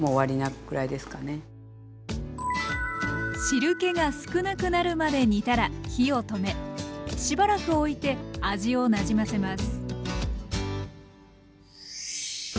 汁けが少なくなるまで煮たら火を止めしばらくおいて味をなじませます。